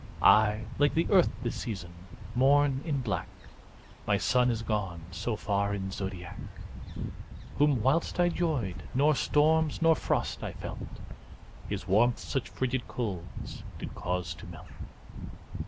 I, like the Earth this season, mourn in black, My Sun is gone so far in's zodiac, Whom whilst I 'joyed, nor storms, nor frost I felt, His warmth such fridged colds did cause to melt.